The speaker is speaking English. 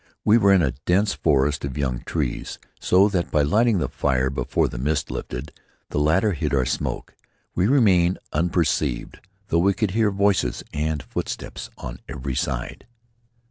We were in a dense forest of young trees, so that by lighting the fire before the mist lifted, the latter hid our smoke. We remained unperceived, though we could hear voices and footsteps on every side.